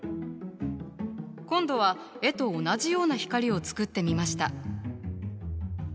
今度は絵と同じような光を作ってみました。